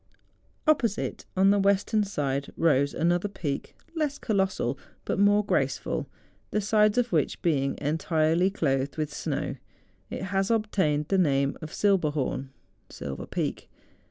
Op¬ posite, on the western side, rose another peak less colossal, but more graceful, the sides of which being entirely clothed with snow, it has obtained the name of Silberhorn (Silver Peak).